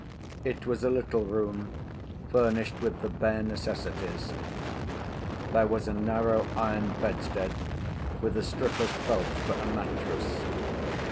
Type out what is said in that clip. It was a little room furnished with the bare necessities. There was a narrow iron bedstead, with a strip of felt for a mattress.